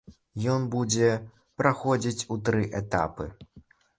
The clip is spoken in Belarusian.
Ён будзе праходзіць у тры этапы.